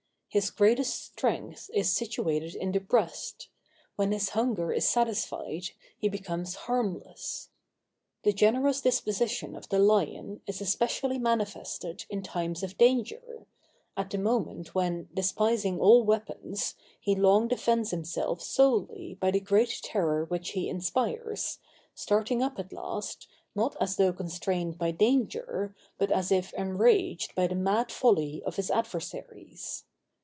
His greatest strength is situated in the breast. When his hunger is satisfied, he becomes harmless. The generous disposition of the lion is especially manifested in time of danger; at the moment when, despising all weapons, he long defends himself solely by the great terror which he inspires, starting up at last, not as though constrained by danger, but as if enraged by the mad folly of his adversaries.